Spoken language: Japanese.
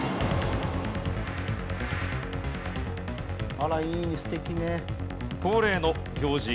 あらいいね素敵ね。